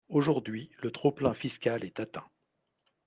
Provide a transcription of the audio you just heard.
Aujourd’hui, le trop-plein fiscal est atteint.